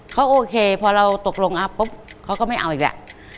เขาโอเคพอเราตกลงอัพปุ๊บเขาก็ไม่เอาอีกแล้ว